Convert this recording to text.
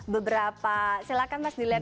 beberapa silahkan mas diliat